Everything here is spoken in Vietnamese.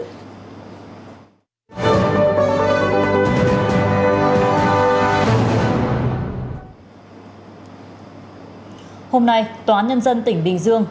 hôm nay tòa án nhân dân tỉnh bình dương